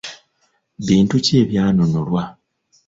Bintu ki ebyanunulwa?